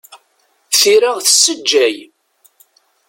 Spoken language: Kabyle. Tira tessejjay.